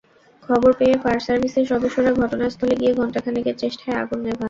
খবর পেয়ে ফায়ার সার্ভিসের সদস্যরা ঘটনাস্থলে গিয়ে ঘণ্টা খানেকের চেষ্টায় আগুন নেভান।